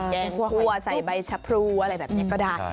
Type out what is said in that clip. แกงคั่วใส่ใบชะพรูอะไรแบบนี้ก็ได้